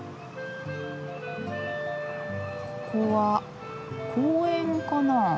ここは公園かな？